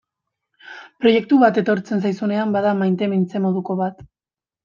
Proiektu bat etortzen zaizunean bada maitemintze moduko bat.